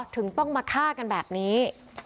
ถึงต้องมาฆ่ากันแบบนี้